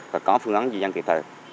và có phương án di dân kỳ thờ